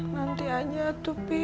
nanti aja tuh pi